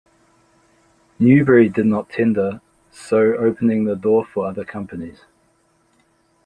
Newbury did not tender, so opening the door for other companies.